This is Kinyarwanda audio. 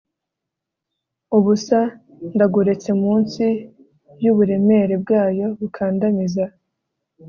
Ubusa ndagoretse munsi yuburemere bwayo bukandamiza